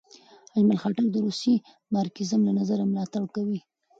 اجمل خټک د روسي مارکسیزم له نظره ملاتړ کړی.